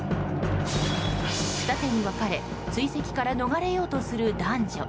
二手に分かれ追跡から逃れようとする男女。